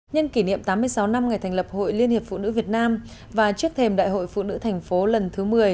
nhân kỷ niệm tám mươi sáu năm ngày thành lập hội liên hiệp phụ nữ việt nam và trước thềm đại hội phụ nữ thành phố lần thứ một mươi